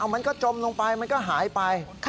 มันก็จมลงไปมันก็หายไป